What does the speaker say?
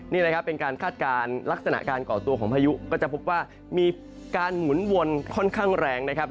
นี่นะครับเป็นการคาดการณ์ลักษณะการก่อตัวของพายุก็จะพบว่ามีการหมุนวนค่อนข้างแรงนะครับ